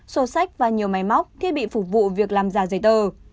sổ sách và nhiều máy móc thiết bị phục vụ việc làm giả giấy tờ